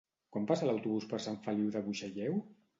Quan passa l'autobús per Sant Feliu de Buixalleu?